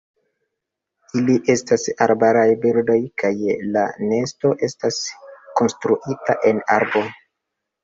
Ili estas arbaraj birdoj, kaj la nesto estas konstruita en arbo.